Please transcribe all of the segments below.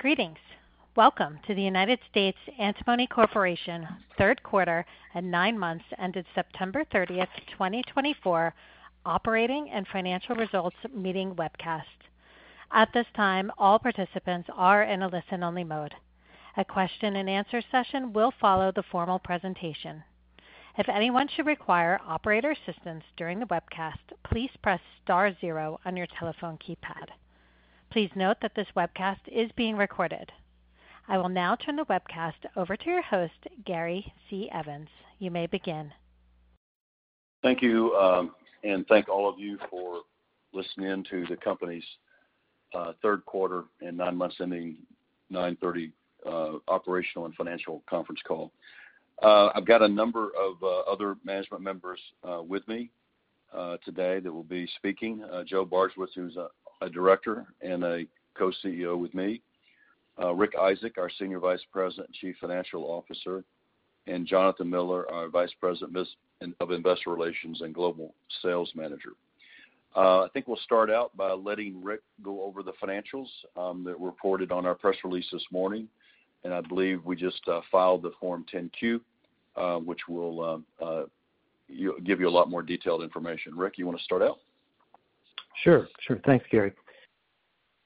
Greetings. Welcome to the United States Antimony Corporation third quarter and nine months ended September 30th, 2024, Operating and Financial Results Meeting webcast. At this time, all participants are in a listen-only mode. A question-and-answer session will follow the formal presentation. If anyone should require operator assistance during the webcast, please press star zero on your telephone keypad. Please note that this webcast is being recorded. I will now turn the webcast over to your host, Gary C. Evans. You may begin. Thank you, and thank all of you for listening in to the company's third quarter and nine months ending 9/30 operational and financial conference call. I've got a number of other management members with me today that will be speaking: Joe Bardswich, who's a director and a co-CEO with me, Rick Isaak, our Senior Vice President and Chief Financial Officer, and Jonathan Miller, our Vice President of Investor Relations and Global Sales Manager. I think we'll start out by letting Rick go over the financials that were reported on our press release this morning, and I believe we just filed the Form 10-Q, which will give you a lot more detailed information. Rick, you want to start out? Sure. Sure. Thanks, Gary.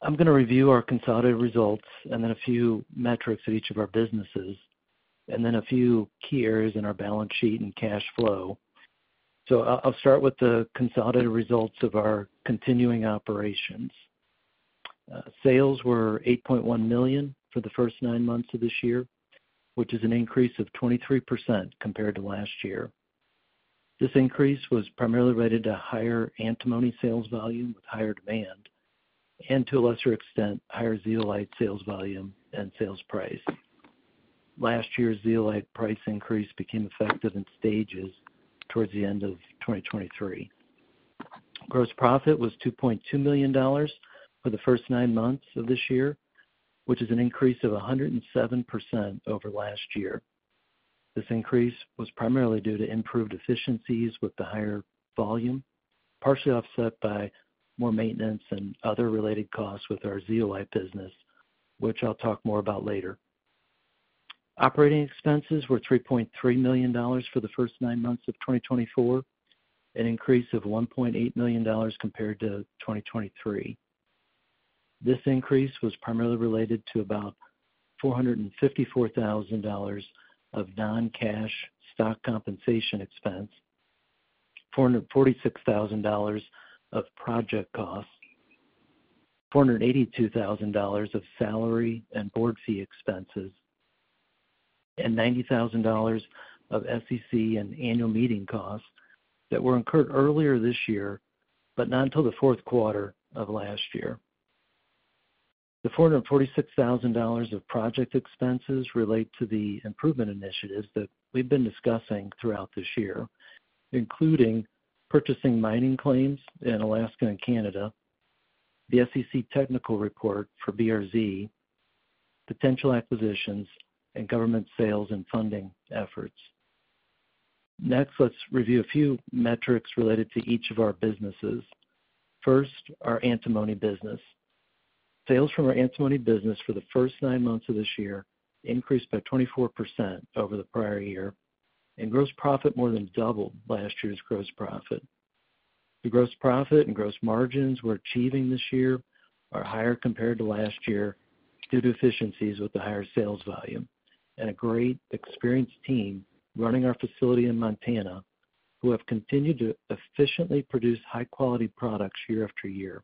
I'm going to review our consolidated results and then a few metrics at each of our businesses, and then a few key areas in our balance sheet and cash flow. So I'll start with the consolidated results of our continuing operations. Sales were $8.1 million for the first nine months of this year, which is an increase of 23% compared to last year. This increase was primarily related to higher antimony sales volume with higher demand and, to a lesser extent, higher zeolite sales volume and sales price. Last year's zeolite price increase became effective in stages towards the end of 2023. Gross profit was $2.2 million for the first nine months of this year, which is an increase of 107% over last year. This increase was primarily due to improved efficiencies with the higher volume, partially offset by more maintenance and other related costs with our zeolite business, which I'll talk more about later. Operating expenses were $3.3 million for the first nine months of 2024, an increase of $1.8 million compared to 2023. This increase was primarily related to about $454,000 of non-cash stock compensation expense, $446,000 of project costs, $482,000 of salary and board fee expenses, and $90,000 of SEC and annual meeting costs that were incurred earlier this year but not until the fourth quarter of last year. The $446,000 of project expenses relate to the improvement initiatives that we've been discussing throughout this year, including purchasing mining claims in Alaska and Canada, the SEC technical report for BRZ, potential acquisitions, and government sales and funding efforts. Next, let's review a few metrics related to each of our businesses. First, our antimony business. Sales from our antimony business for the first nine months of this year increased by 24% over the prior year, and gross profit more than doubled last year's gross profit. The gross profit and gross margins we're achieving this year are higher compared to last year due to efficiencies with the higher sales volume and a great experienced team running our facility in Montana who have continued to efficiently produce high-quality products year after year.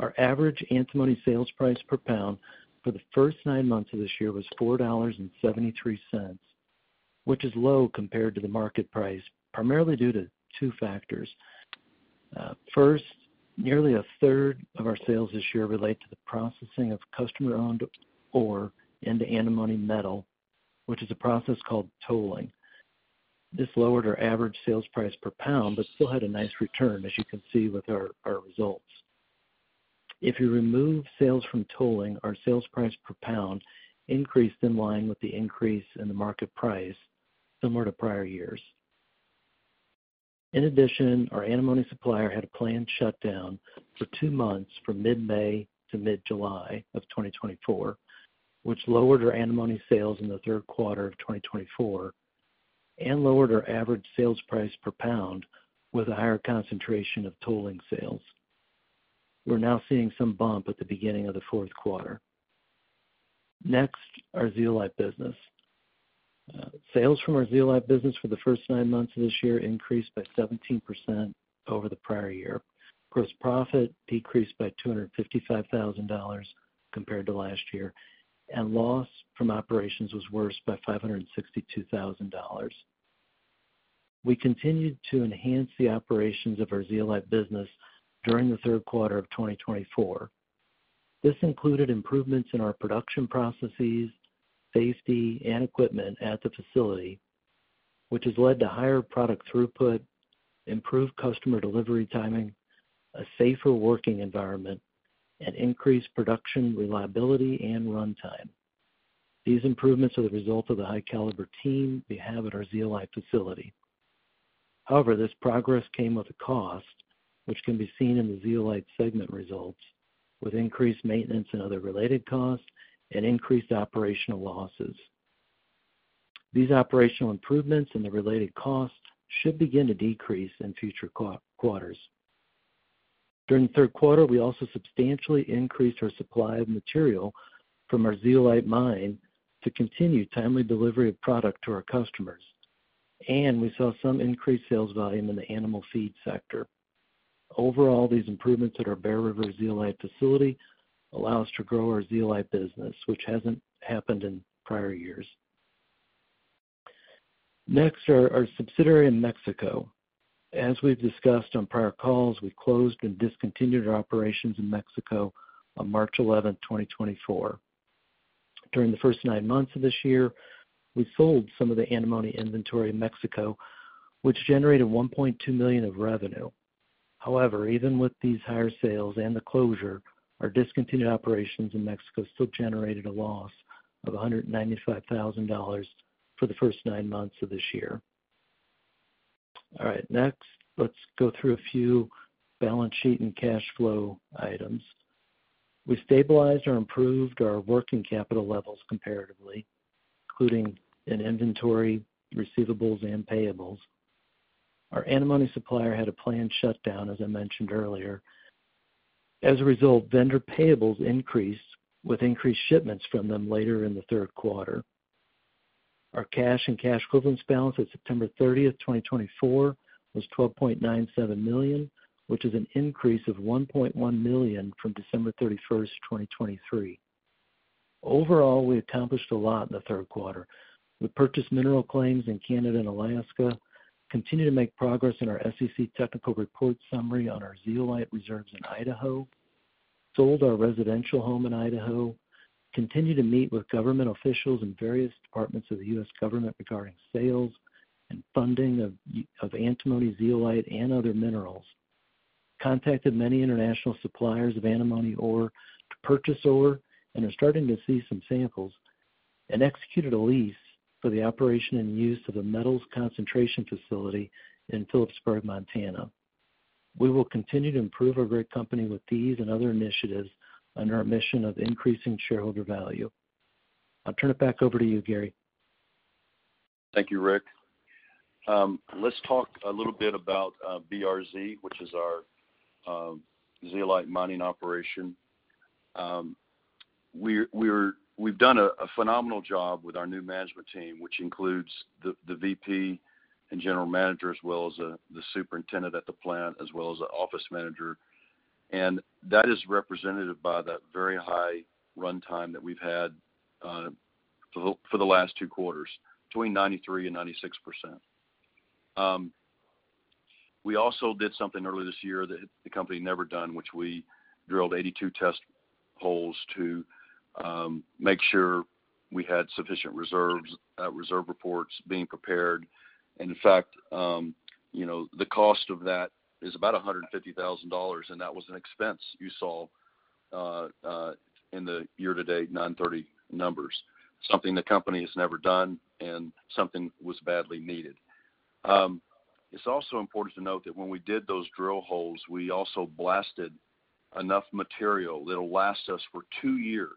Our average antimony sales price per pound for the first nine months of this year was $4.73, which is low compared to the market price, primarily due to two factors. First, nearly a third of our sales this year relate to the processing of customer-owned ore into antimony metal, which is a process called tolling. This lowered our average sales price per pound but still had a nice return, as you can see with our results. If you remove sales from tolling, our sales price per pound increased in line with the increase in the market price similar to prior years. In addition, our antimony supplier had a planned shutdown for two months from mid-May to mid-July of 2024, which lowered our antimony sales in the third quarter of 2024 and lowered our average sales price per pound with a higher concentration of tolling sales. We're now seeing some bump at the beginning of the fourth quarter. Next, our zeolite business. Sales from our zeolite business for the first nine months of this year increased by 17% over the prior year. Gross profit decreased by $255,000 compared to last year, and loss from operations was worse by $562,000. We continued to enhance the operations of our zeolite business during the third quarter of 2024. This included improvements in our production processes, safety, and equipment at the facility, which has led to higher product throughput, improved customer delivery timing, a safer working environment, and increased production reliability and runtime. These improvements are the result of the high-caliber team we have at our zeolite facility. However, this progress came with a cost, which can be seen in the zeolite segment results, with increased maintenance and other related costs and increased operational losses. These operational improvements and the related costs should begin to decrease in future quarters. During the third quarter, we also substantially increased our supply of material from our zeolite mine to continue timely delivery of product to our customers, and we saw some increased sales volume in the animal feed sector. Overall, these improvements at our Bear River Zeolite facility allow us to grow our zeolite business, which hasn't happened in prior years. Next are our subsidiary in Mexico. As we've discussed on prior calls, we closed and discontinued our operations in Mexico on March 11th, 2024. During the first nine months of this year, we sold some of the antimony inventory in Mexico, which generated $1.2 million of revenue. However, even with these higher sales and the closure, our discontinued operations in Mexico still generated a loss of $195,000 for the first nine months of this year. All right. Next, let's go through a few balance sheet and cash flow items. We stabilized or improved our working capital levels comparatively, including in inventory, receivables, and payables. Our antimony supplier had a planned shutdown, as I mentioned earlier. As a result, vendor payables increased with increased shipments from them later in the third quarter. Our cash and cash equivalents balance at September 30th, 2024, was $12.97 million, which is an increase of $1.1 million from December 31st, 2023. Overall, we accomplished a lot in the third quarter. We purchased mineral claims in Canada and Alaska, continued to make progress in our SEC technical report summary on our zeolite reserves in Idaho, sold our residential home in Idaho, continued to meet with government officials in various departments of the U.S. government regarding sales and funding of antimony zeolite and other minerals, contacted many international suppliers of antimony ore to purchase ore and are starting to see some samples, and executed a lease for the operation and use of the metals concentration facility in Philipsburg, Montana. We will continue to improve our great company with these and other initiatives on our mission of increasing shareholder value. I'll turn it back over to you, Gary. Thank you, Rick. Let's talk a little bit about BRZ, which is our zeolite mining operation. We've done a phenomenal job with our new management team, which includes the VP and general manager, as well as the superintendent at the plant, as well as the office manager. That is represented by the very high runtime that we've had for the last two quarters, between 93% and 96%. We also did something earlier this year that the company had never done, which we drilled 82 test holes to make sure we had sufficient reserves, reserve reports being prepared. In fact, the cost of that is about $150,000, and that was an expense you saw in the year-to-date 9/30 numbers, something the company has never done and something that was badly needed. It's also important to note that when we did those drill holes, we also blasted enough material that'll last us for two years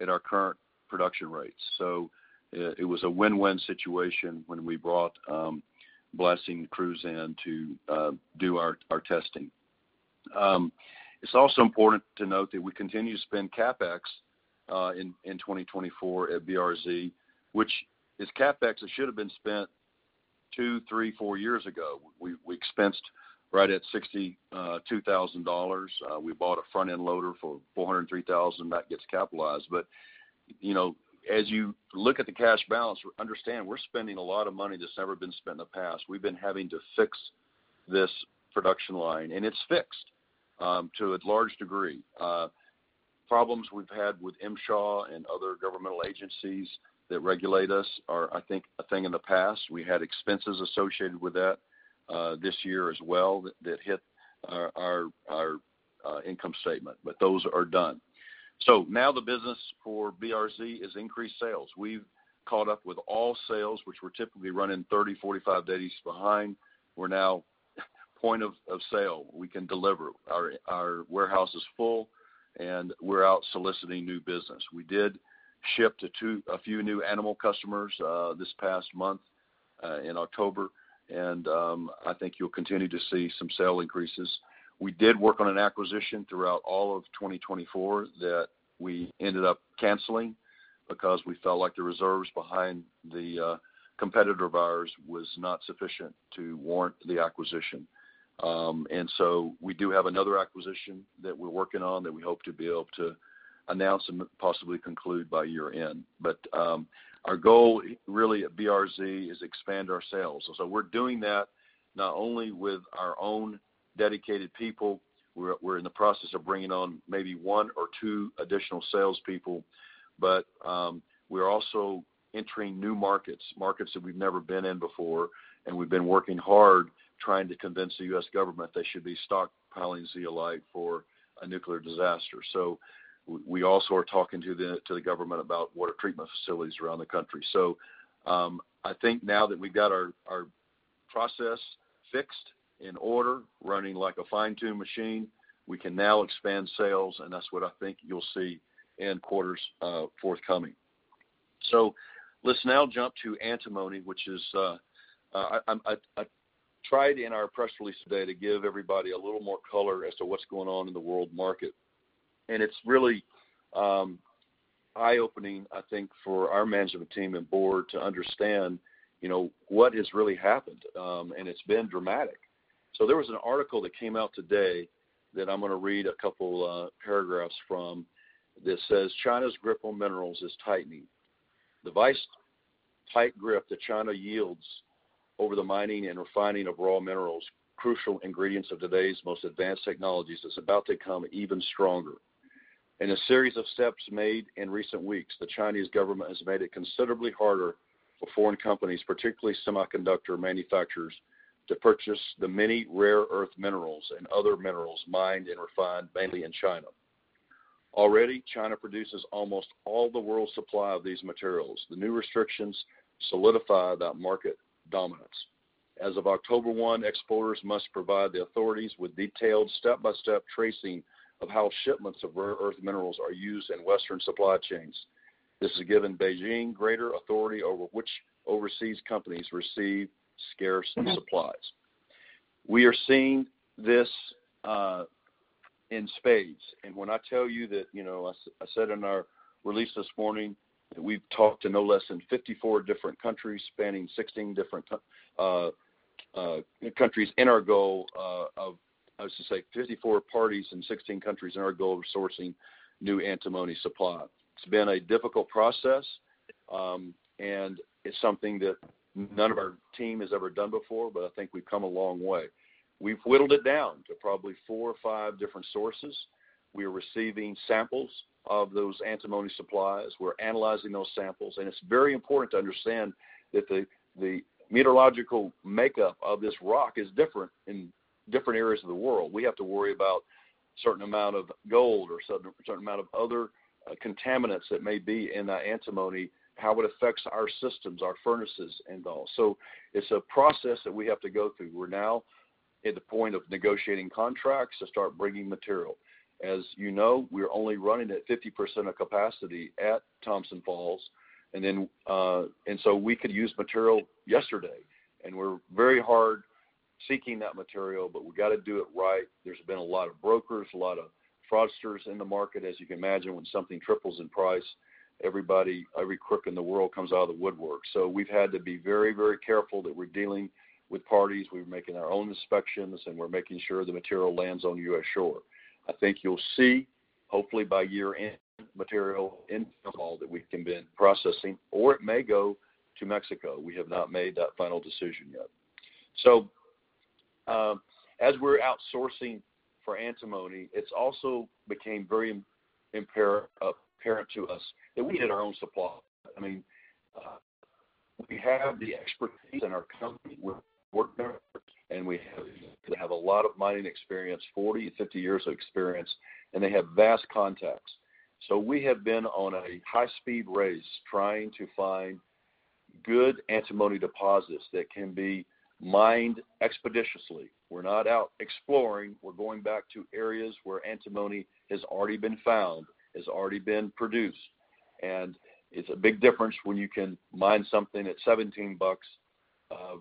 at our current production rates. So it was a win-win situation when we brought blasting crews in to do our testing. It's also important to note that we continue to spend CapEx in 2024 at BRZ, which is CapEx that should have been spent two, three, four years ago. We expensed right at $62,000. We bought a front-end loader for $403,000, and that gets capitalized. But as you look at the cash balance, understand we're spending a lot of money that's never been spent in the past. We've been having to fix this production line, and it's fixed to a large degree. Problems we've had with MSHA and other governmental agencies that regulate us are, I think, a thing in the past. We had expenses associated with that this year as well that hit our income statement, but those are done. So now the business for BRZ is increased sales. We've caught up with all sales, which were typically running 30, 45 days behind. We're now point of sale. We can deliver. Our warehouse is full, and we're out soliciting new business. We did ship to a few new animal customers this past month in October, and I think you'll continue to see some sale increases. We did work on an acquisition throughout all of 2024 that we ended up canceling because we felt like the reserves behind the competitor of ours was not sufficient to warrant the acquisition, and so we do have another acquisition that we're working on that we hope to be able to announce and possibly conclude by year-end. But our goal really at BRZ is to expand our sales. And so we're doing that not only with our own dedicated people. We're in the process of bringing on maybe one or two additional salespeople, but we're also entering new markets, markets that we've never been in before, and we've been working hard trying to convince the U.S. government they should be stockpiling zeolite for a nuclear disaster. So we also are talking to the government about water treatment facilities around the country. So I think now that we've got our process fixed in order, running like a fine-tuned machine, we can now expand sales, and that's what I think you'll see in quarters forthcoming. So let's now jump to antimony, which is, I tried in our press release today to give everybody a little more color as to what's going on in the world market. It's really eye-opening, I think, for our management team and board to understand what has really happened, and it's been dramatic. There was an article that came out today that I'm going to read a couple of paragraphs from that says, "China's grip on minerals is tightening. The vice-like grip that China wields over the mining and refining of raw minerals, crucial ingredients of today's most advanced technologies, is about to become even stronger. In a series of steps made in recent weeks, the Chinese government has made it considerably harder for foreign companies, particularly semiconductor manufacturers, to purchase the many rare earth minerals and other minerals mined and refined mainly in China. Already, China produces almost all the world's supply of these materials. The new restrictions solidify that market dominance. As of October 1, exporters must provide the authorities with detailed step-by-step tracing of how shipments of rare earth minerals are used in Western supply chains. This has given Beijing greater authority over which overseas companies receive scarce supplies." We are seeing this in spades, and when I tell you that I said in our release this morning that we've talked to no less than 54 different countries spanning 16 different countries in our goal of, I was going to say, 54 parties in 16 countries in our goal of sourcing new antimony supply. It's been a difficult process, and it's something that none of our team has ever done before, but I think we've come a long way. We've whittled it down to probably four or five different sources. We are receiving samples of those antimony supplies. We're analyzing those samples, and it's very important to understand that the mineralogical makeup of this rock is different in different areas of the world. We have to worry about a certain amount of gold or a certain amount of other contaminants that may be in that antimony, how it affects our systems, our furnaces, and all. So it's a process that we have to go through. We're now at the point of negotiating contracts to start bringing material. As you know, we're only running at 50% of capacity at Thompson Falls, and so we could use material yesterday, and we're very hard seeking that material, but we've got to do it right. There's been a lot of brokers, a lot of fraudsters in the market. As you can imagine, when something triples in price, everybody, every crook in the world comes out of the woodwork. So we've had to be very, very careful that we're dealing with parties. We're making our own inspections, and we're making sure the material lands on U.S. shore. I think you'll see, hopefully by year-end, material in Philipsburg that we've been processing, or it may go to Mexico. We have not made that final decision yet. So as we're outsourcing for antimony, it's also became very apparent to us that we need our own supply. I mean, we have the expertise in our company. We're working on it, and we have a lot of mining experience, 40, 50 years of experience, and they have vast contacts. So we have been on a high-speed race trying to find good antimony deposits that can be mined expeditiously. We're not out exploring. We're going back to areas where antimony has already been found, has already been produced. It's a big difference when you can mine something at $17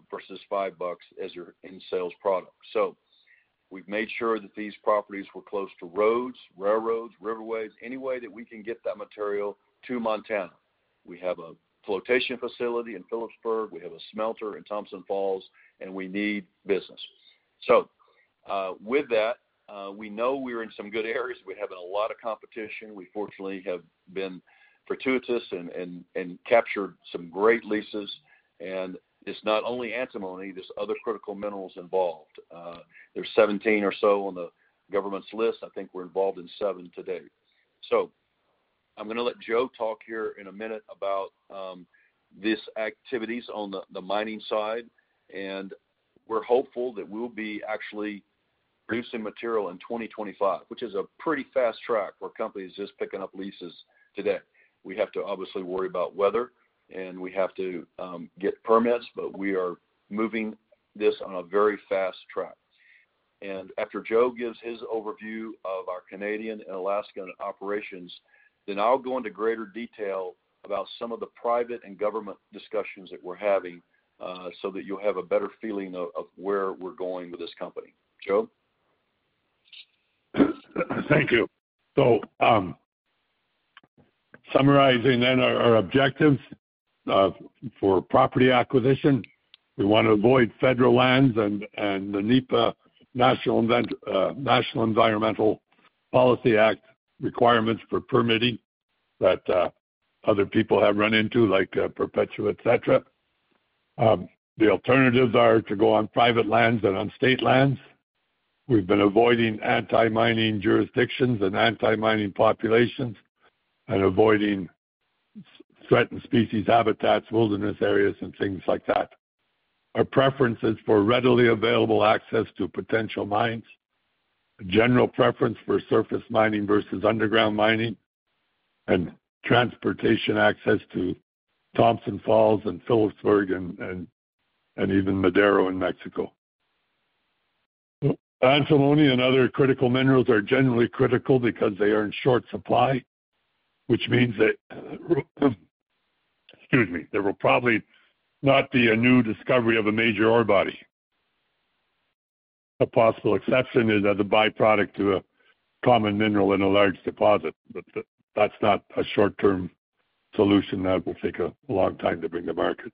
versus $5 as your end-sales product. So we've made sure that these properties were close to roads, railroads, riverways, any way that we can get that material to Montana. We have a flotation facility in Philipsburg. We have a smelter in Thompson Falls, and we need business. So with that, we know we're in some good areas. We're having a lot of competition. We, fortunately, have been fortuitous and captured some great leases. And it's not only antimony; there's other critical minerals involved. There's 17 or so on the government's list. I think we're involved in seven today. So I'm going to let Joe talk here in a minute about these activities on the mining side. We're hopeful that we'll be actually producing material in 2025, which is a pretty fast track for companies just picking up leases today. We have to obviously worry about weather, and we have to get permits, but we are moving this on a very fast track. After Joe gives his overview of our Canadian and Alaskan operations, then I'll go into greater detail about some of the private and government discussions that we're having so that you'll have a better feeling of where we're going with this company. Joe? Thank you. So summarizing then our objectives for property acquisition, we want to avoid federal lands and the NEPA, National Environmental Policy Act requirements for permitting that other people have run into, like Perpetua, etc. The alternatives are to go on private lands and on state lands. We've been avoiding anti-mining jurisdictions and anti-mining populations and avoiding threatened species habitats, wilderness areas, and things like that. Our preference is for readily available access to potential mines, a general preference for surface mining versus underground mining, and transportation access to Thompson Falls and Philipsburg and even Madero in Mexico. Antimony and other critical minerals are generally critical because they are in short supply, which means that, excuse me, there will probably not be a new discovery of a major ore body. A possible exception is as a byproduct to a common mineral in a large deposit, but that's not a short-term solution that will take a long time to bring to market.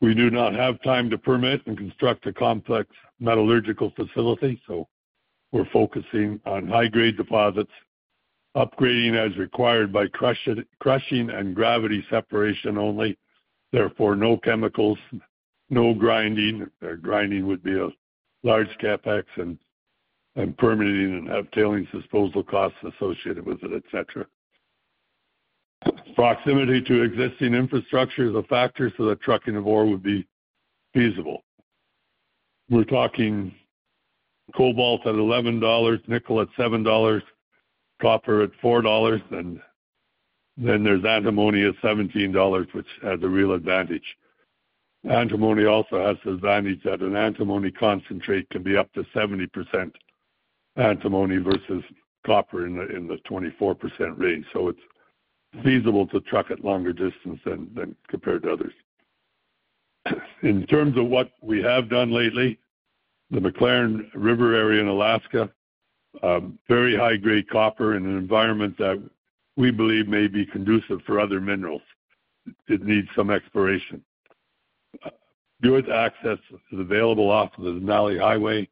We do not have time to permit and construct a complex metallurgical facility, so we're focusing on high-grade deposits, upgrading as required by crushing and gravity separation only, therefore no chemicals, no grinding. Grinding would be a large CapEx and permitting and have tailings disposal costs associated with it, etc. Proximity to existing infrastructure is a factor so that trucking of ore would be feasible. We're talking cobalt at $11, nickel at $7, copper at $4, and then there's antimony at $17, which has a real advantage. Antimony also has the advantage that an antimony concentrate can be up to 70% antimony versus copper in the 24% range. So it's feasible to truck at longer distances than compared to others. In terms of what we have done lately, the Maclaren River area in Alaska, very high-grade copper in an environment that we believe may be conducive for other minerals. It needs some exploration. Good access is available off of the Denali Highway.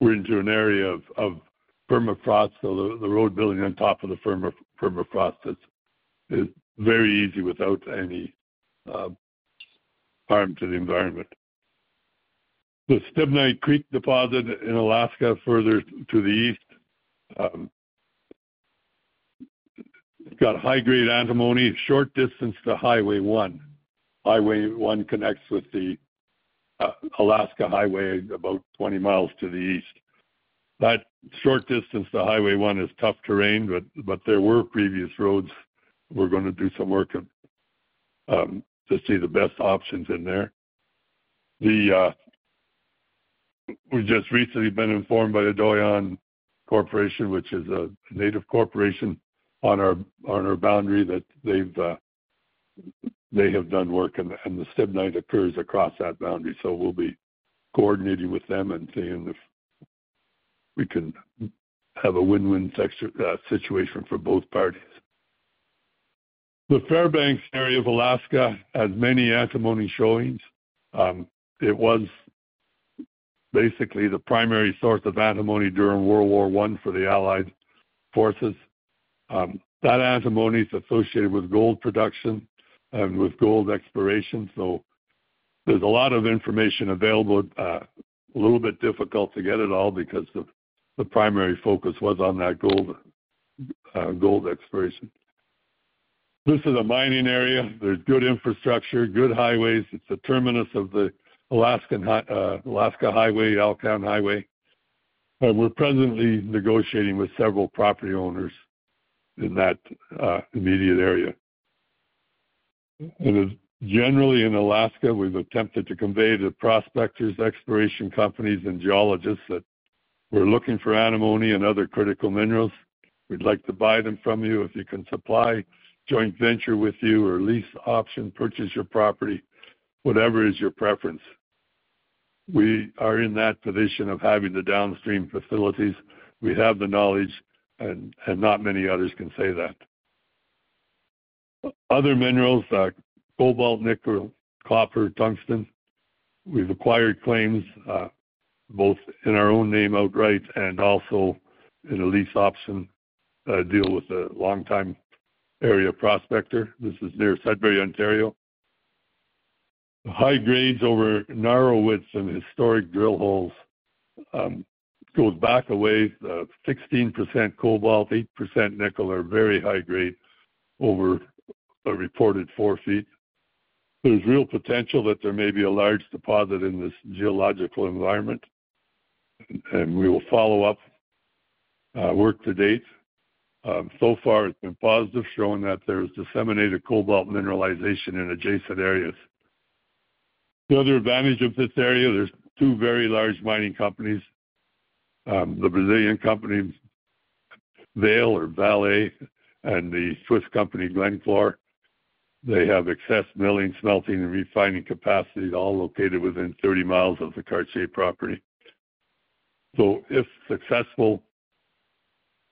We're into an area of permafrost, so the road building on top of the permafrost is very easy without any harm to the environment. The Stibnite Creek deposit in Alaska further to the east, it's got high-grade antimony short distance to Highway 1. Highway 1 connects with the Alaska Highway about 20 miles to the east. That short distance to Highway 1 is tough terrain, but there were previous roads. We're going to do some work to see the best options in there. We've just recently been informed by the Doyon Corporation, which is a native corporation on our boundary, that they have done work, and the Stibnite occurs across that boundary, so we'll be coordinating with them and seeing if we can have a win-win situation for both parties. The Fairbanks area of Alaska has many antimony showings. It was basically the primary source of antimony during World War I for the Allied forces. That antimony is associated with gold production and with gold exploration, so there's a lot of information available, a little bit difficult to get it all because the primary focus was on that gold exploration. This is a mining area. There's good infrastructure, good highways. It's the terminus of the Alaska Highway, Alcan Highway, and we're presently negotiating with several property owners in that immediate area. And generally in Alaska, we've attempted to convey to prospectors, exploration companies, and geologists that we're looking for antimony and other critical minerals. We'd like to buy them from you if you can supply joint venture with you or lease option, purchase your property, whatever is your preference. We are in that position of having the downstream facilities. We have the knowledge, and not many others can say that. Other minerals, cobalt, nickel, copper, tungsten, we've acquired claims both in our own name outright and also in a lease option deal with a longtime area prospector. This is near Sudbury, Ontario. High grades over narrow widths and historic drill holes go back away. The 16% cobalt, 8% nickel are very high grade over a reported four feet. There's real potential that there may be a large deposit in this geological environment, and we will follow up work to date. So far, it's been positive showing that there is disseminated cobalt mineralization in adjacent areas. The other advantage of this area, there's two very large mining companies, the Brazilian company Vale or Vale, and the Swiss company Glencore. They have excess milling, smelting, and refining capacity all located within 30 mi of the Cartier property. So if successful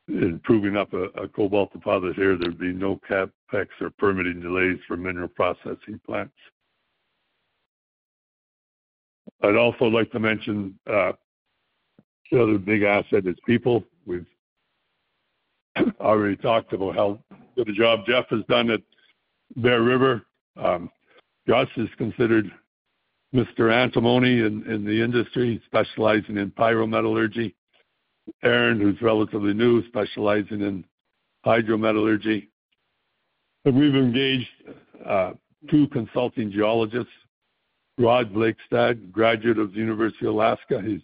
in proving up a cobalt deposit here, there'd be no CapEx or permitting delays for mineral processing plants. I'd also like to mention the other big asset is people. We've already talked about how good a job Jeff has done at Bear River. Gus is considered Mr. Antimony in the industry, specializing in pyrometallurgy. Aaron, who's relatively new, specializing in hydrometallurgy, and we've engaged two consulting geologists, Rod Blakestad, graduate of the University of Alaska. He's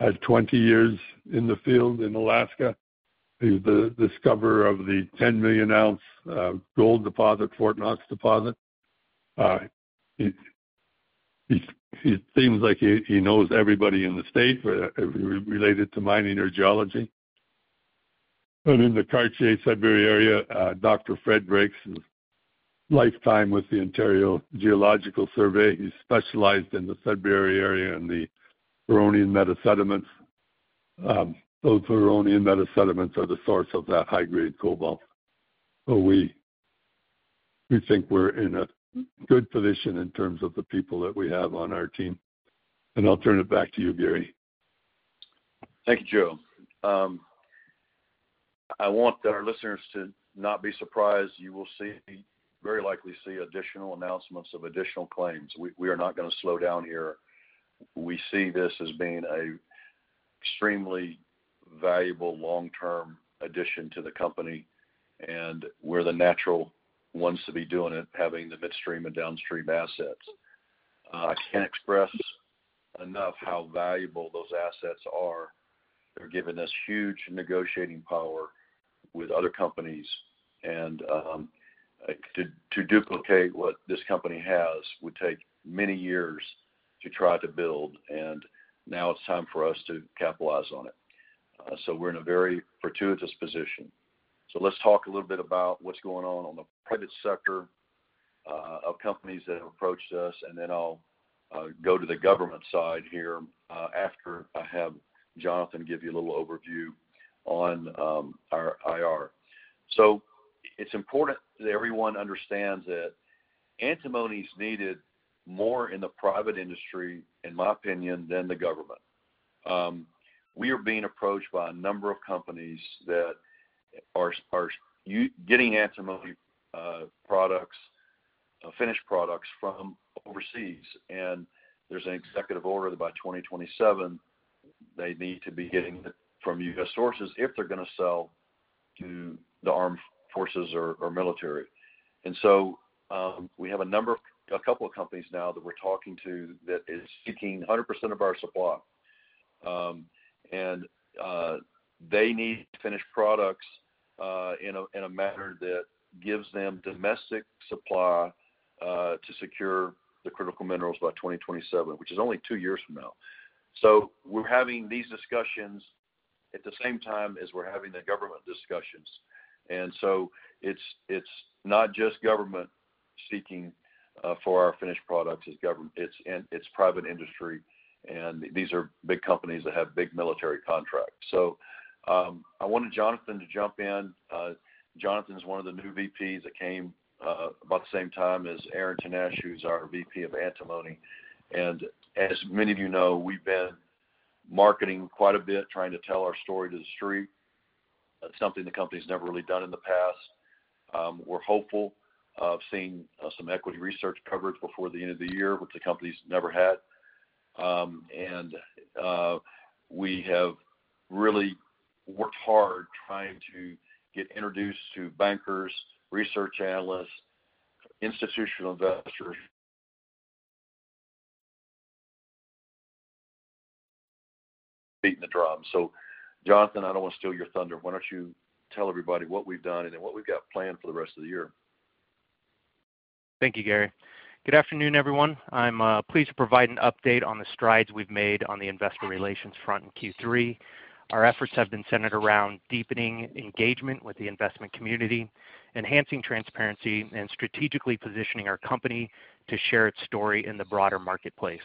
had 20 years in the field in Alaska. He's the discoverer of the 10 million-ounce gold deposit, Fort Knox deposit. He seems like he knows everybody in the state related to mining or geology. And in the Cartier-Sudbury area, Dr. Fred Breaks' lifetime with the Ontario Geological Survey. He's specialized in the Sudbury area and the Huronian metasediments. Those Huronian metasediments are the source of that high-grade cobalt. So we think we're in a good position in terms of the people that we have on our team. And I'll turn it back to you, Gary. Thank you, Joe. I want our listeners to not be surprised. You will very likely see additional announcements of additional claims. We are not going to slow down here. We see this as being an extremely valuable long-term addition to the company, and we're the natural ones to be doing it, having the midstream and downstream assets. I can't express enough how valuable those assets are. They're giving us huge negotiating power with other companies. And to duplicate what this company has would take many years to try to build, and now it's time for us to capitalize on it. So we're in a very fortuitous position. So let's talk a little bit about what's going on on the private sector of companies that have approached us, and then I'll go to the government side here after I have Jonathan give you a little overview on our IR. It's important that everyone understands that antimony is needed more in the private industry, in my opinion, than the government. We are being approached by a number of companies that are getting antimony finished products from overseas. And there's an executive order that by 2027, they need to be getting it from U.S. sources if they're going to sell to the armed forces or military. And so we have a couple of companies now that we're talking to that is seeking 100% of our supply. And they need finished products in a manner that gives them domestic supply to secure the critical minerals by 2027, which is only two years from now. So we're having these discussions at the same time as we're having the government discussions. And so it's not just government seeking for our finished products. It's private industry. These are big companies that have big military contracts. So I wanted Jonathan to jump in. Jonathan's one of the new VPs that came about the same time as Aaron Tenney, who's our VP of antimony. As many of you know, we've been marketing quite a bit, trying to tell our story to the street, something the company's never really done in the past. We're hopeful of seeing some equity research coverage before the end of the year, which the company's never had. We have really worked hard trying to get introduced to bankers, research analysts, institutional investors. Beating the drum. Jonathan, I don't want to steal your thunder. Why don't you tell everybody what we've done and then what we've got planned for the rest of the year? Thank you, Gary. Good afternoon, everyone. I'm pleased to provide an update on the strides we've made on the investor relations front in Q3. Our efforts have been centered around deepening engagement with the investment community, enhancing transparency, and strategically positioning our company to share its story in the broader marketplace.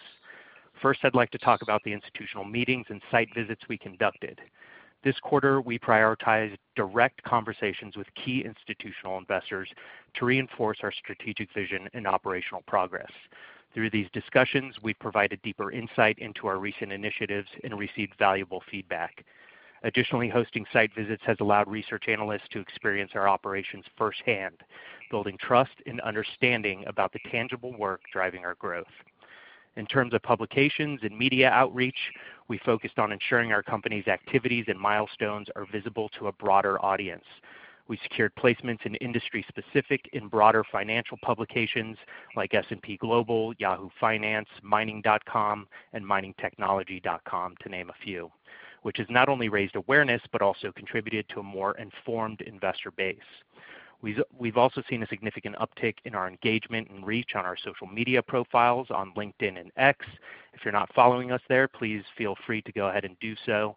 First, I'd like to talk about the institutional meetings and site visits we conducted. This quarter, we prioritized direct conversations with key institutional investors to reinforce our strategic vision and operational progress. Through these discussions, we've provided deeper insight into our recent initiatives and received valuable feedback. Additionally, hosting site visits has allowed research analysts to experience our operations firsthand, building trust and understanding about the tangible work driving our growth. In terms of publications and media outreach, we focused on ensuring our company's activities and milestones are visible to a broader audience. We secured placements in industry-specific and broader financial publications like S&P Global, Yahoo Finance, Mining.com, and Mining Technology, to name a few, which has not only raised awareness but also contributed to a more informed investor base. We've also seen a significant uptick in our engagement and reach on our social media profiles on LinkedIn and X. If you're not following us there, please feel free to go ahead and do so.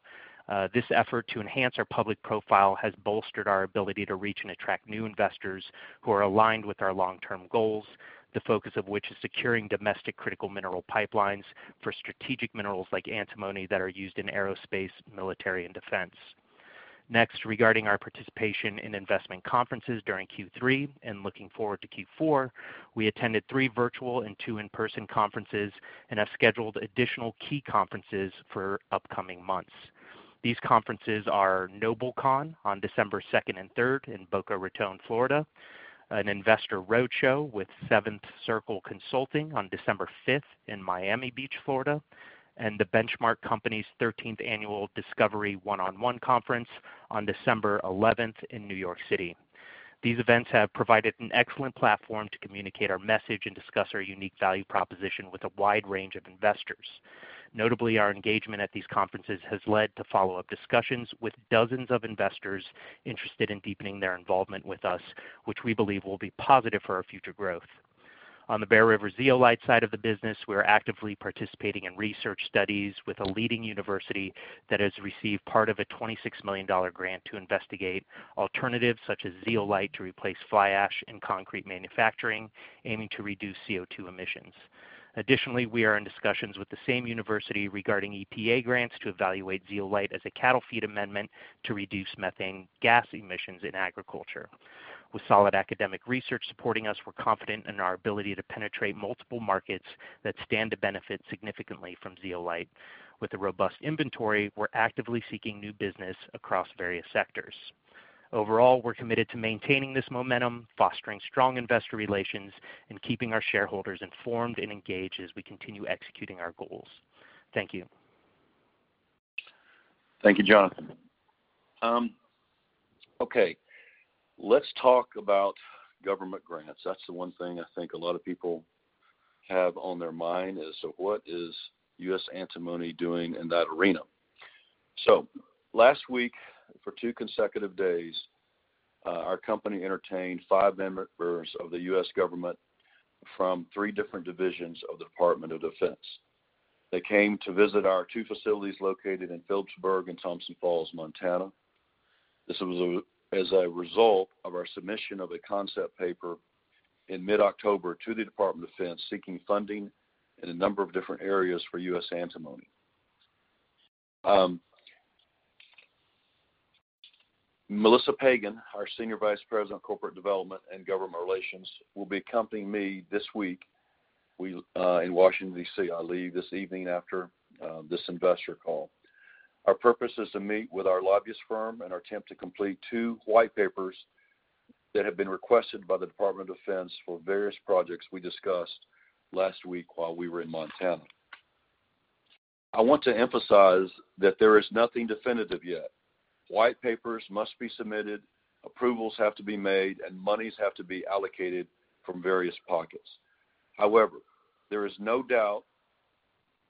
This effort to enhance our public profile has bolstered our ability to reach and attract new investors who are aligned with our long-term goals, the focus of which is securing domestic critical mineral pipelines for strategic minerals like antimony that are used in aerospace, military, and defense. Next, regarding our participation in investment conferences during Q3 and looking forward to Q4, we attended three virtual and two in-person conferences and have scheduled additional key conferences for upcoming months. These conferences are NobleCon on December 2nd and 3rd in Boca Raton, Florida, an investor roadshow with Seventh Circle Consulting on December 5th in Miami Beach, Florida, and the Benchmark Company's 13th annual Discovery One-on-One Conference on December 11th in New York City. These events have provided an excellent platform to communicate our message and discuss our unique value proposition with a wide range of investors. Notably, our engagement at these conferences has led to follow-up discussions with dozens of investors interested in deepening their involvement with us, which we believe will be positive for our future growth. On the Bear River Zeolite side of the business, we are actively participating in research studies with a leading university that has received part of a $26 million grant to investigate alternatives such as zeolite to replace fly ash in concrete manufacturing, aiming to reduce CO2 emissions. Additionally, we are in discussions with the same university regarding EPA grants to evaluate zeolite as a cattle feed amendment to reduce methane gas emissions in agriculture. With solid academic research supporting us, we're confident in our ability to penetrate multiple markets that stand to benefit significantly from zeolite. With a robust inventory, we're actively seeking new business across various sectors. Overall, we're committed to maintaining this momentum, fostering strong investor relations, and keeping our shareholders informed and engaged as we continue executing our goals. Thank you. Thank you, Jonathan. Okay. Let's talk about government grants. That's the one thing I think a lot of people have on their mind is, so what is U.S. Antimony doing in that arena? So last week, for two consecutive days, our company entertained five members of the U.S. government from three different divisions of the Department of Defense. They came to visit our two facilities located in Philipsburg and Thompson Falls, Montana. This was as a result of our submission of a concept paper in mid-October to the Department of Defense seeking funding in a number of different areas for U.S. Antimony. Melissa Pagen, our Senior Vice President of Corporate Development and Government Relations, will be accompanying me this week in Washington, D.C. I'll leave this evening after this investor call. Our purpose is to meet with our lobbyist firm and attempt to complete two white papers that have been requested by the U.S. Department of Defense for various projects we discussed last week while we were in Montana. I want to emphasize that there is nothing definitive yet. White papers must be submitted, approvals have to be made, and monies have to be allocated from various pockets. However, there is no doubt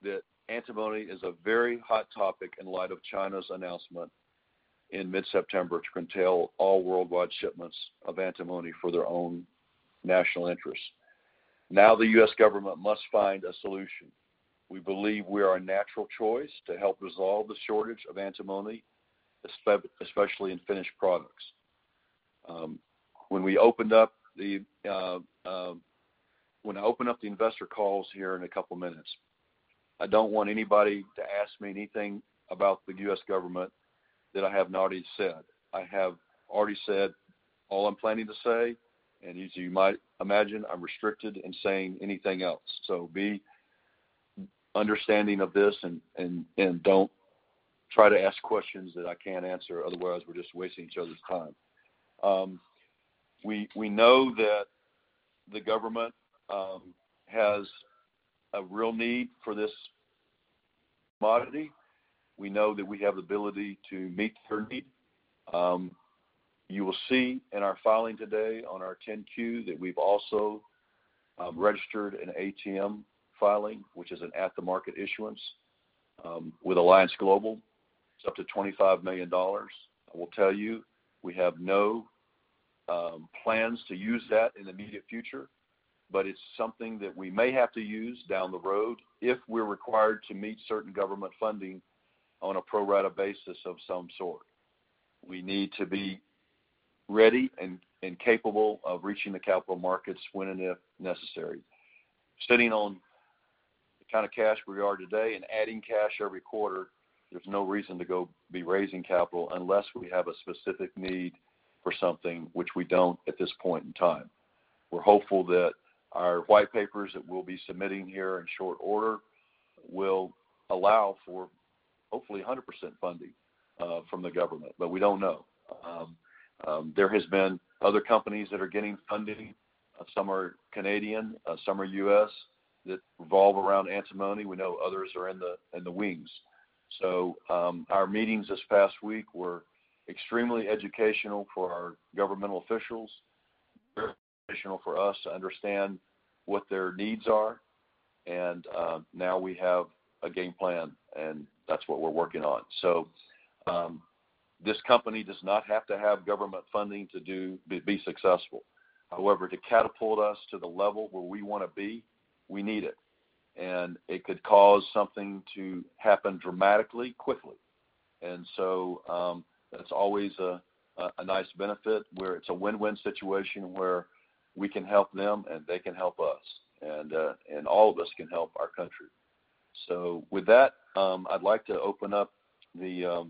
that antimony is a very hot topic in light of China's announcement in mid-September to curtail all worldwide shipments of antimony for their own national interests. Now the U.S. government must find a solution. We believe we are a natural choice to help resolve the shortage of antimony, especially in finished products. When we open up the investor calls here in a couple of minutes, I don't want anybody to ask me anything about the U.S. government that I have not already said. I have already said all I'm planning to say, and as you might imagine, I'm restricted in saying anything else. So be understanding of this and don't try to ask questions that I can't answer. Otherwise, we're just wasting each other's time. We know that the government has a real need for this commodity. We know that we have the ability to meet their need. You will see in our filing today on our 10-Q that we've also registered an ATM filing, which is an at-the-market issuance with Alliance Global. It's up to $25 million. I will tell you, we have no plans to use that in the immediate future, but it's something that we may have to use down the road if we're required to meet certain government funding on a pro-rata basis of some sort. We need to be ready and capable of reaching the capital markets when and if necessary. Sitting on the kind of cash we are today and adding cash every quarter, there's no reason to be raising capital unless we have a specific need for something, which we don't at this point in time. We're hopeful that our white papers that we'll be submitting here in short order will allow for hopefully 100% funding from the government, but we don't know. There have been other companies that are getting funding. Some are Canadian. Some are U.S. that revolve around antimony. We know others are in the wings. So our meetings this past week were extremely educational for our governmental officials, very educational for us to understand what their needs are, and now we have a game plan, and that's what we're working on. So this company does not have to have government funding to be successful. However, to catapult us to the level where we want to be, we need it. And it could cause something to happen dramatically quickly. And so that's always a nice benefit where it's a win-win situation where we can help them and they can help us, and all of us can help our country. So with that, I'd like to open up the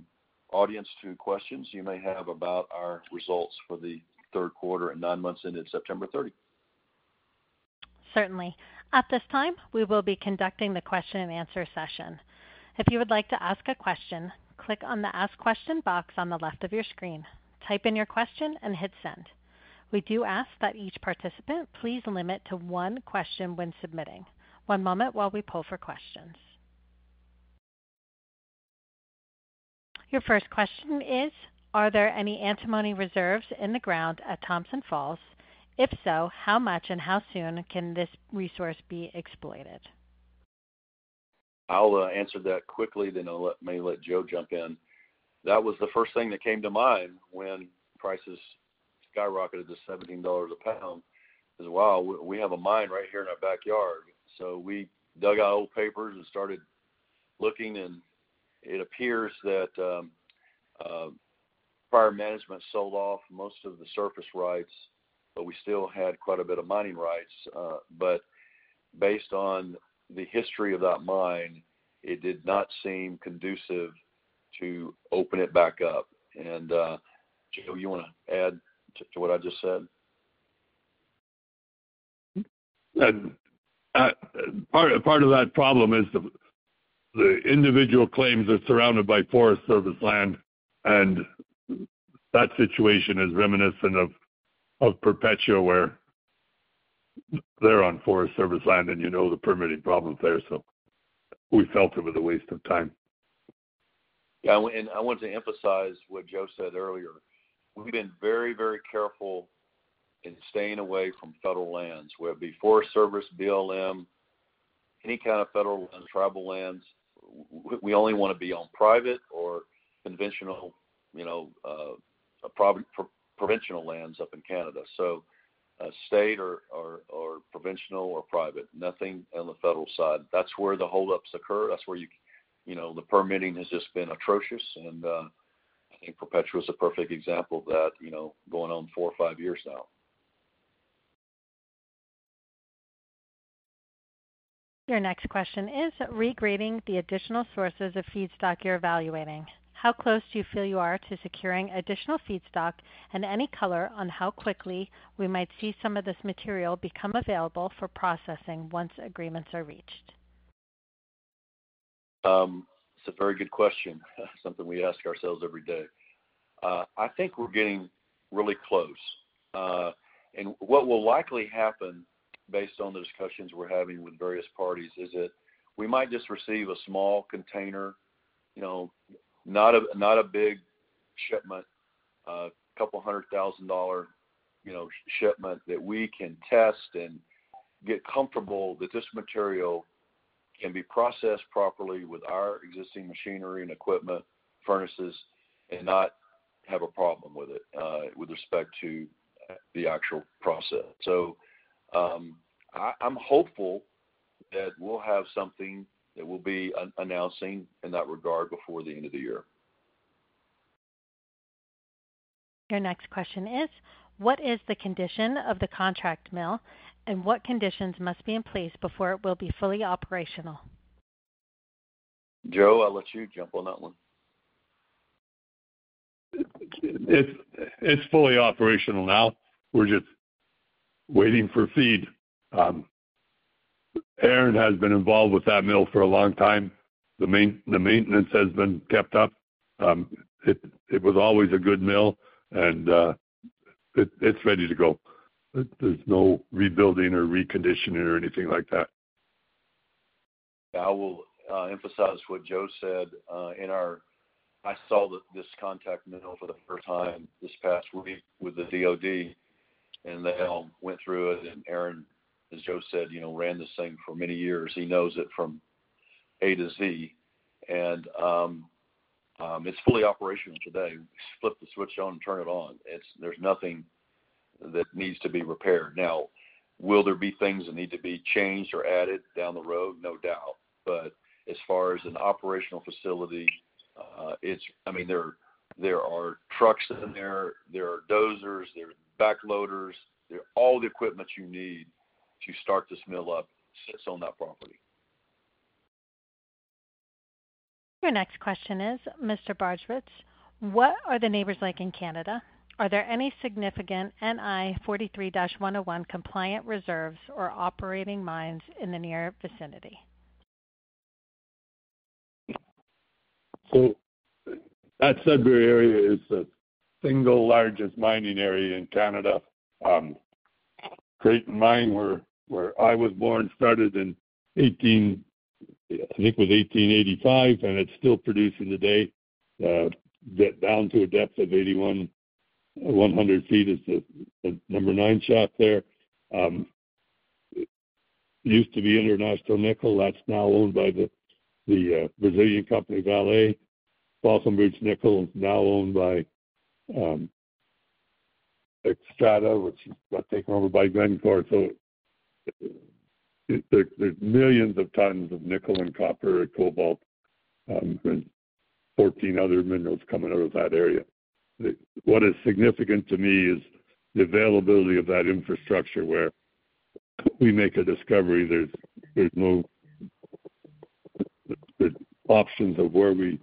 audience to questions you may have about our results for the third quarter and nine months into September 30th. Certainly. At this time, we will be conducting the question-and-answer session. If you would like to ask a question, click on the Ask Question box on the left of your screen. Type in your question and hit Send. We do ask that each participant please limit to one question when submitting. One moment while we pull for questions. Your first question is, are there any antimony reserves in the ground at Thompson Falls? If so, how much and how soon can this resource be exploited? I'll answer that quickly, then I'll maybe let Joe jump in. That was the first thing that came to mind when prices skyrocketed to $17 a pound. Wow! We have a mine right here in our backyard, so we dug out old papers and started looking, and it appears that prior management sold off most of the surface rights, but we still had quite a bit of mining rights. But based on the history of that mine, it did not seem conducive to open it back up, and Joe, you want to add to what I just said? Part of that problem is the individual claims are surrounded by Forest Service land, and that situation is reminiscent of Perpetua where they're on Forest Service land, and you know the permitting problems there. So we felt it was a waste of time. Yeah. And I wanted to emphasize what Joe said earlier. We've been very, very careful in staying away from federal lands where it'd be Forest Service, BLM, any kind of federal lands, tribal lands. We only want to be on private or conventional provincial lands up in Canada. So state or provincial or private, nothing on the federal side. That's where the holdups occur. That's where the permitting has just been atrocious. And I think Perpetua is a perfect example of that going on four or five years now. Your next question is regarding the additional sources of feedstock you're evaluating. How close do you feel you are to securing additional feedstock and any color on how quickly we might see some of this material become available for processing once agreements are reached? It's a very good question. Something we ask ourselves every day. I think we're getting really close. What will likely happen based on the discussions we're having with various parties is that we might just receive a small container, not a big shipment, a $200,000 shipment that we can test and get comfortable that this material can be processed properly with our existing machinery and equipment, furnaces, and not have a problem with it with respect to the actual process. I'm hopeful that we'll have something that we'll be announcing in that regard before the end of the year. Your next question is, what is the condition of the contract mill, and what conditions must be in place before it will be fully operational? Joe, I'll let you jump on that one. It's fully operational now. We're just waiting for feed. Aaron has been involved with that mill for a long time. The maintenance has been kept up. It was always a good mill, and it's ready to go. There's no rebuilding or reconditioning or anything like that. I will emphasize what Joe said. I saw this concentrate mill for the first time this past week with the DOD, and they all went through it. And Aaron, as Joe said, ran this thing for many years. He knows it from A to Z. And it's fully operational today. We flip the switch on and turn it on. There's nothing that needs to be repaired. Now, will there be things that need to be changed or added down the road? No doubt. But as far as an operational facility, I mean, there are trucks in there. There are dozers. There are backhoes. All the equipment you need to start this mill up sits on that property. Your next question is, Mr. Bardswich, what are the neighbors like in Canada? Are there any significant NI 43-101 compliant reserves or operating mines in the near vicinity? That Sudbury area is the single largest mining area in Canada. Creighton Mine, where I was born, started in, I think, 1885, and it's still producing today. It gets down to a depth of 8,100 feet. That's the number nine shaft there. It used to be International Nickel. That's now owned by the Brazilian company Vale. Falconbridge Nickel is now owned by Xstrata, which is taken over by Glencore. So there's millions of tons of nickel and copper and cobalt and 14 other minerals coming out of that area. What is significant to me is the availability of that infrastructure where we make a discovery. There's no options of where we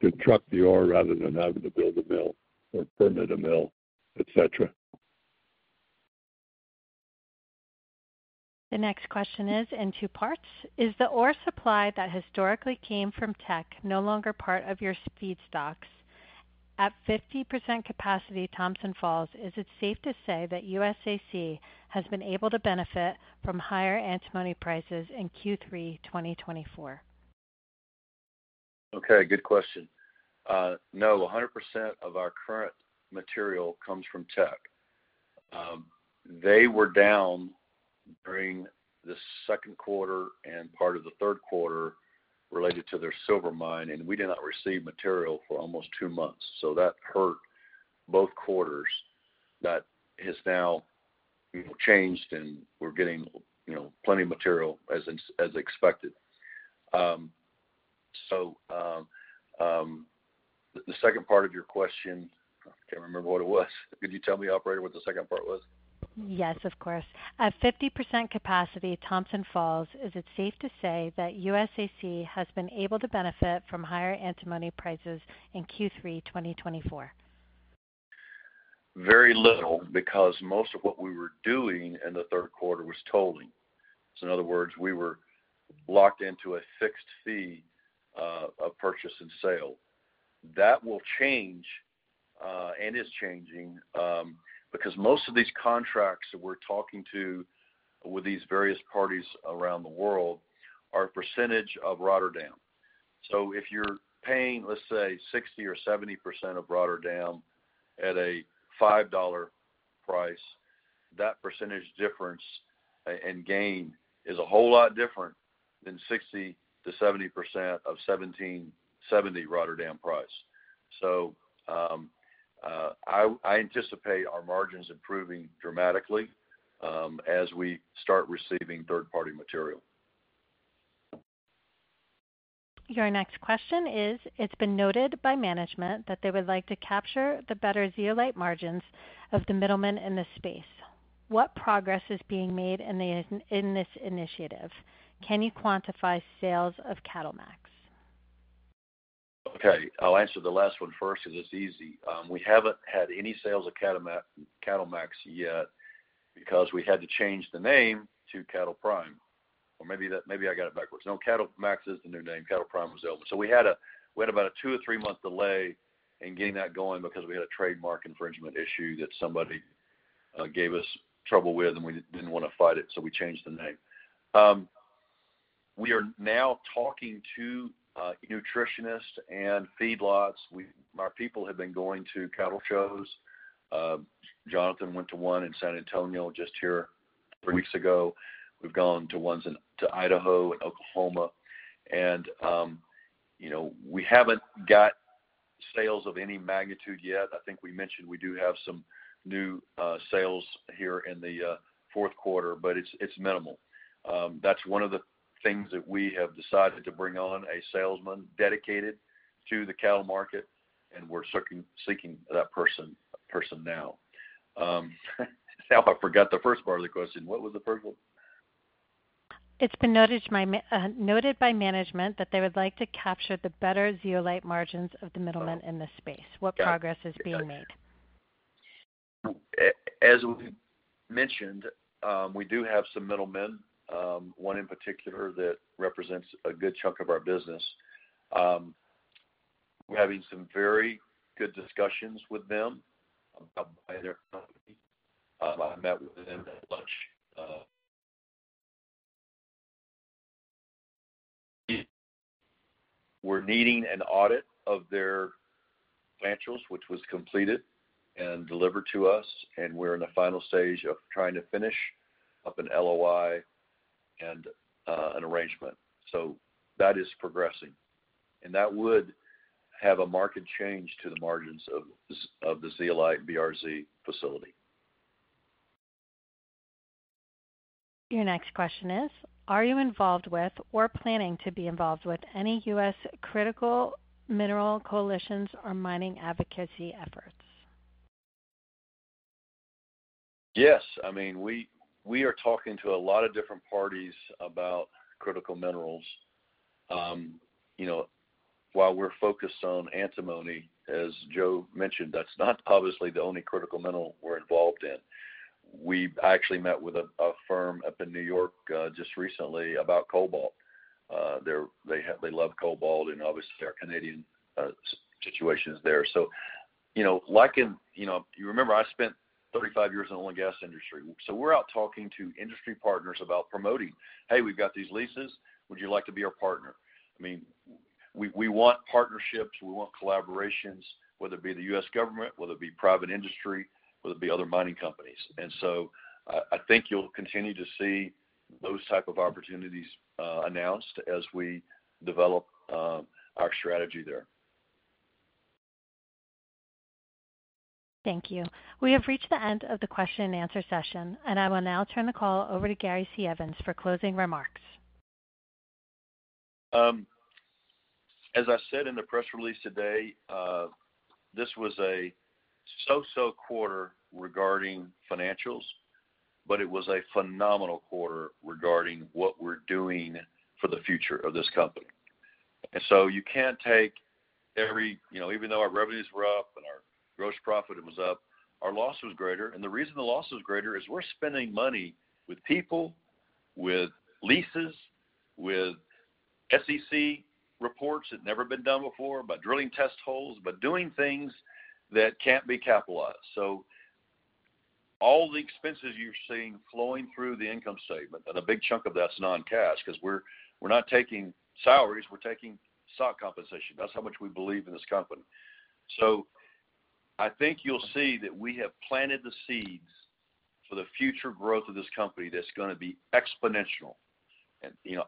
construct the ore rather than having to build a mill or permit a mill, etc. The next question is in two parts. Is the ore supply that historically came from Teck no longer part of your feedstocks? At 50% capacity Thompson Falls, is it safe to say that USAC has been able to benefit from higher antimony prices in Q3 2024? Okay. Good question. No, 100% of our current material comes from Teck. They were down during the second quarter and part of the third quarter related to their silver mine, and we did not receive material for almost two months. So that hurt both quarters. That has now changed, and we're getting plenty of material as expected. So the second part of your question, I can't remember what it was. Could you tell me, operator, what the second part was? Yes, of course. At 50% capacity, Thompson Falls, is it safe to say that USAC has been able to benefit from higher antimony prices in Q3 2024? Very little because most of what we were doing in the third quarter was tolling. So in other words, we were locked into a fixed fee of purchase and sale. That will change and is changing because most of these contracts that we're talking to with these various parties around the world are a percentage of Rotterdam. So if you're paying, let's say, 60% or 70% of Rotterdam at a $5 price, that percentage difference and gain is a whole lot different than 60%-70% of $17.70 Rotterdam price. So I anticipate our margins improving dramatically as we start receiving third-party material. Your next question is, it's been noted by management that they would like to capture the better zeolite margins of the middlemen in this space. What progress is being made in this initiative? Can you quantify sales of Cadillac? Okay. I'll answer the last one first because it's easy. We haven't had any sales of Cadillac yet because we had to change the name to Cattle Prime. Or maybe I got it backwards. No, Cadillac is the new name. Cattle Prime was over. So we had about a two or three-month delay in getting that going because we had a trademark infringement issue that somebody gave us trouble with, and we didn't want to fight it, so we changed the name. We are now talking to nutritionists and feedlots. Our people have been going to cattle shows. Jonathan went to one in San Antonio just here three weeks ago. We've gone to ones in Idaho and Oklahoma, and we haven't got sales of any magnitude yet. I think we mentioned we do have some new sales here in the fourth quarter, but it's minimal. That's one of the things that we have decided to bring on a salesman dedicated to the cattle market, and we're seeking that person now. Now, I forgot the first part of the question. What was the first one? It's been noted by management that they would like to capture the better zeolite margins of the middlemen in this space. What progress is being made? As we mentioned, we do have some middlemen, one in particular that represents a good chunk of our business. We're having some very good discussions with them about buying their company. I met with them at lunch. We're needing an audit of their financials, which was completed and delivered to us, and we're in the final stage of trying to finish up an LOI and an arrangement, so that is progressing, and that would have a market change to the margins of the Zeolite BRZ facility. Your next question is, are you involved with or planning to be involved with any U.S. critical mineral coalitions or mining advocacy efforts? Yes. I mean, we are talking to a lot of different parties about critical minerals. While we're focused on antimony, as Joe mentioned, that's not obviously the only critical mineral we're involved in. We actually met with a firm up in New York just recently about cobalt. They love cobalt, and obviously, our Canadian situation is there. So like in you remember, I spent 35 years in the oil and gas industry. So we're out talking to industry partners about promoting, "Hey, we've got these leases. Would you like to be our partner?" I mean, we want partnerships. We want collaborations, whether it be the U.S. government, whether it be private industry, whether it be other mining companies. And so I think you'll continue to see those types of opportunities announced as we develop our strategy there. Thank you. We have reached the end of the question-and-answer session, and I will now turn the call over to Gary C. Evans for closing remarks. As I said in the press release today, this was a so-so quarter regarding financials, but it was a phenomenal quarter regarding what we're doing for the future of this company. And so you can't take every even though our revenues were up and our gross profit was up, our loss was greater. And the reason the loss was greater is we're spending money with people, with leases, with SEC reports that have never been done before, by drilling test holes, by doing things that can't be capitalized. So all the expenses you're seeing flowing through the income statement, and a big chunk of that's non-cash because we're not taking salaries. We're taking stock compensation. That's how much we believe in this company. So I think you'll see that we have planted the seeds for the future growth of this company that's going to be exponential.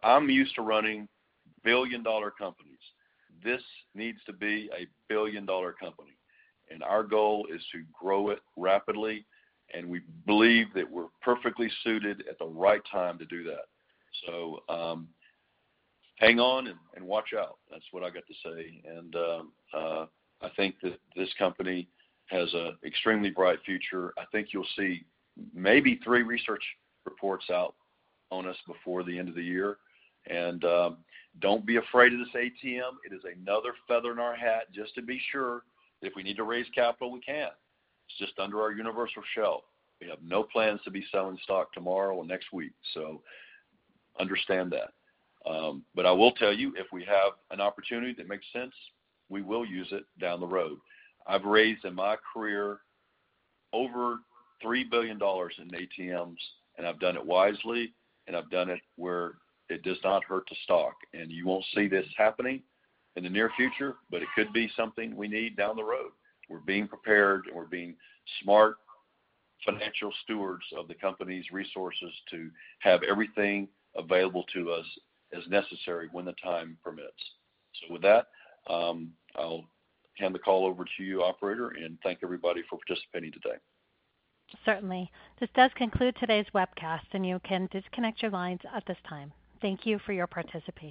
I'm used to running billion-dollar companies. This needs to be a billion-dollar company. Our goal is to grow it rapidly, and we believe that we're perfectly suited at the right time to do that. Hang on and watch out. That's what I got to say. I think that this company has an extremely bright future. I think you'll see maybe three research reports out on us before the end of the year. Don't be afraid of this ATM. It is another feather in our hat just to be sure that if we need to raise capital, we can. It's just under our universal shelf. We have no plans to be selling stock tomorrow or next week. Understand that. I will tell you, if we have an opportunity that makes sense, we will use it down the road. I've raised in my career over $3 billion in ATMs, and I've done it wisely, and I've done it where it does not hurt the stock. And you won't see this happening in the near future, but it could be something we need down the road. We're being prepared, and we're being smart financial stewards of the company's resources to have everything available to us as necessary when the time permits. So with that, I'll hand the call over to you, operator, and thank everybody for participating today. Certainly. This does conclude today's webcast, and you can disconnect your lines at this time. Thank you for your participation.